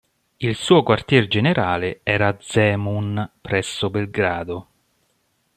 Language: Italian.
Il suo quartier generale era a Zemun presso Belgrado.